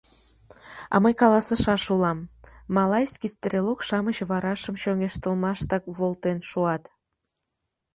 А мый каласышаш улам: малайский стрелок-шамыч варашым чоҥештылмаштак волтен шуат.